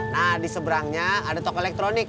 nah di seberangnya ada toko elektronik